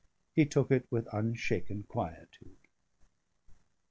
He took it with unshaken quietude.